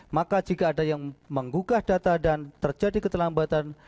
maka jika ada yang menggugah data dan terjadi keterlambatan